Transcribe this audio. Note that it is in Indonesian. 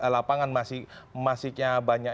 lapangan masihnya banyak